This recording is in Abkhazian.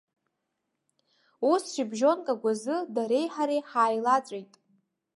Ус шьыбжьонк агәазы дареи ҳареи ҳааилаҵәеит.